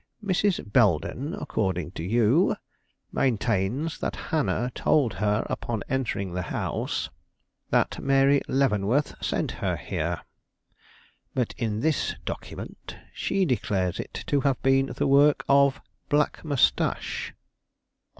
Mrs. Belden, according to you, maintains that Hannah told her, upon entering the house, that Mary Leavenworth sent her here. But in this document, she declares it to have been the work of Black Mustache."